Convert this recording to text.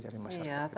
dari masyarakat kita